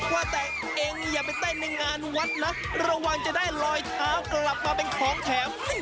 ว่าแต่เองอย่าไปเต้นในงานวัดนะระวังจะได้ลอยเท้ากลับมาเป็นของแถม